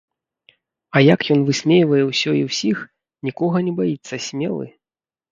А як ён высмейвае ўсё і ўсіх, нікога не баіцца, смелы!